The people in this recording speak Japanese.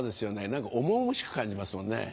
何か重々しく感じますもんね。